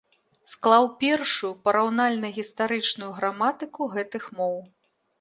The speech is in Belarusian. Склаў першую параўнальна-гістарычную граматыку гэтых моў.